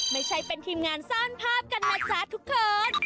ไม่ใช่เป็นทีมงานสร้างภาพกันนะจ๊ะทุกคน